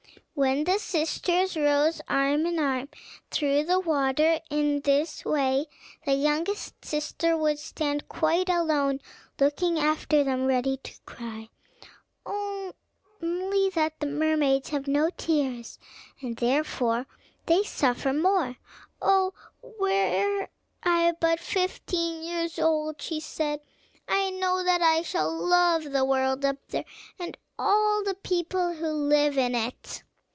When the sisters rose, arm in arm, through the water in this way, their youngest sister would stand quite alone, looking after them, ready to cry, only that the mermaids have no tears, and therefore they suffer more. "Oh, were I but fifteen years old," said she: "I know that I shall love the world up there, and all the people who live in it."